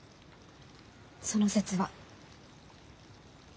その節は。